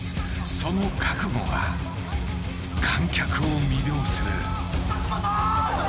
その覚悟が観客を魅了する。